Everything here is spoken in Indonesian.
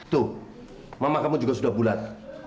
tuh mama kamu juga sudah bulat